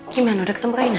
gimana udah ketemu raina